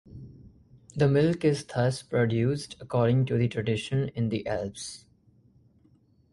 The milk is thus produced according to the tradition in the Alps.